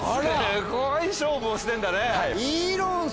すごい勝負をしてんだね。